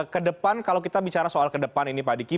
kedepan kalau kita bicara soal kedepan ini pak diki